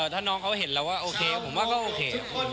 ถ้าน้องเขาเห็นแล้วว่าโอเคผมว่าก็โอเค